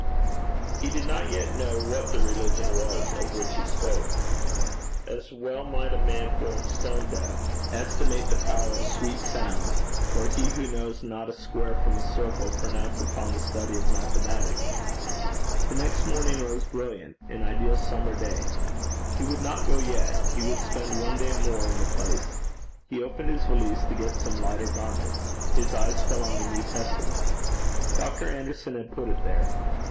He did not yet know what the religion was of which he spoke. As well might a man born stone deaf estimate the power of sweet sounds, or he who knows not a square from a circle pronounce upon the study of mathematics. The next morning rose brilliant an ideal summer day. He would not go yet; he would spend one day more in the place. He opened his valise to get some lighter garments. His eye fell on a New Testament. Dr. Anderson had put it there.